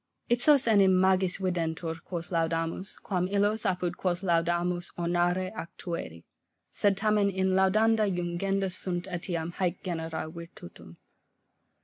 Ipsos enim magis videntur, quos laudamus, quam illos, apud quos laudamus ornare ac tueri: sed tamen in laudenda jungenda sunt eliam haec genera virtutum.